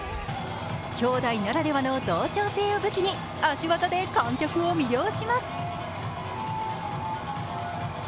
きょうだいならではの同調性を武器に足技で観客を魅了します。